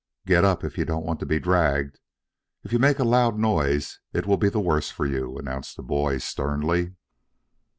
"Get up, if you don't want to be dragged. If you make a loud noise it will be the worse for you," announced the boy sternly.